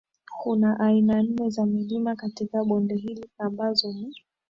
Kuna aina nne za milima katika bonde hili ambazo ni